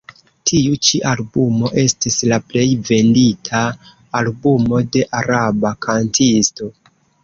Tiu ĉi albumo estis la plej vendita albumo de araba kantisto.